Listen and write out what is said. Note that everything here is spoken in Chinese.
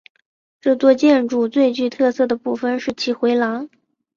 这座建筑最具特色的部分是其回廊。